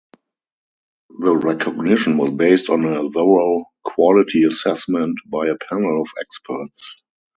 The recognition was based on a thorough quality assessment by a panel of experts.